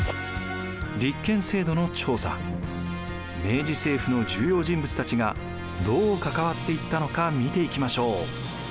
明治政府の重要人物たちがどう関わっていったのか見ていきましょう。